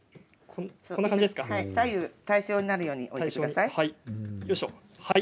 左右対称になるようにしてください。